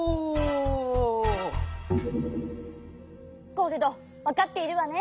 ゴールドわかっているわね？